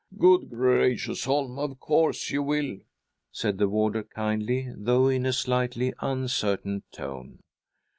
" Good gracious, Holm, of course you will," said the warder kindly, though in a slightly uncertain tone.